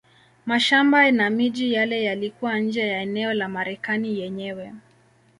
Mashamba na miji yale yalikuwa nje ya eneo la Marekani yenyewe.